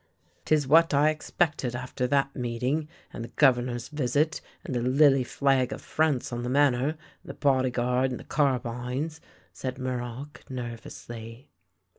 " 'Tis what I expected after that meeting, and the Governor's visit, and the lily flag of France on the Manor, and the bodyguard and the carbines," said Muroc, nervously.